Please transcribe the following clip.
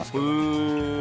へえ。